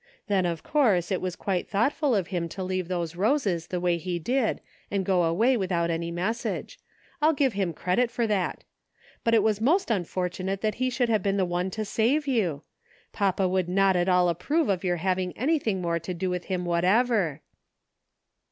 Then, of course, it was quite thoughtful of him to leave those roses the way he did and go away without any message. 1*11 give him credit for that But it was most unfortunate that he should have been the one to save you! Papa would not at all approve of your having anything more to do with him whatever."